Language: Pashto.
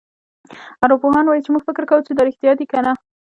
ارواپوهان وايي چې موږ فکر کوو چې دا رېښتیا دي کنه.